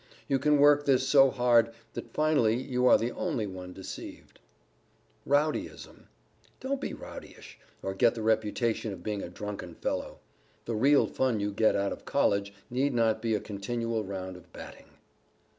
You can work this so hard, that finally you are the only one deceived. [Sidenote: ROWDYISM] Don't be rowdyish, or get the reputation of being a drunken fellow. The real fun you get out of College need not be a continual round of batting.